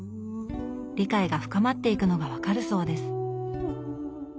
理解が深まっていくのが分かるそうです。